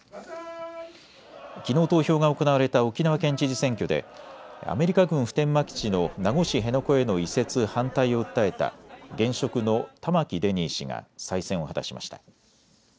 きのう投票が行われた沖縄県知事選挙でアメリカ軍普天間基地の名護市辺野古への移設反対を訴えた現職の玉城デニー氏が再選を果たしました。